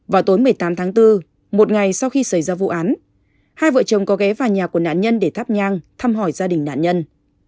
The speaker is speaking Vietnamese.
vào tối một mươi tám tháng bốn một ngày sau khi xảy ra vụ án hai vợ chồng có ghé vào nhà của nạn nhân để thắp nhang thăm hỏi gia đình nạn nhân